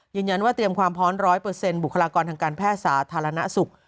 ยืนยันว่าเตรียมความพร้อม๑๐๐บุคลากรทางการแพทย์สาธารณสุข